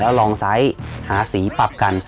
แล้วลองไซส์หาสีปรับกัน